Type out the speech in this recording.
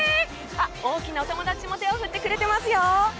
大きなお友達も手を振ってくれてますよ！